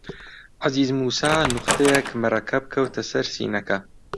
عەزیز مووسا نوختەیەک مەرەکەب کەوتە سەر سینەکە